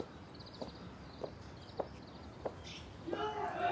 ・はい。